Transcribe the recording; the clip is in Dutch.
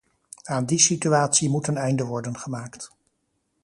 Aan die situatie moet een einde worden gemaakt.